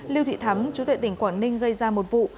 lưu thị thắm chú tệ tỉnh quảng ninh gây ra một vụ